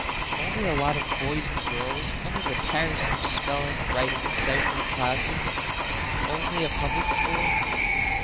Only a lot of boys and girls? Only the tiresome spelling, writing, ciphering classes? Only a Public School?